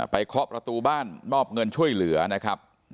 เคาะประตูบ้านมอบเงินช่วยเหลือนะครับ